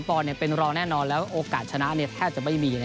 ปอนดเป็นรองแน่นอนแล้วโอกาสชนะแทบจะไม่มี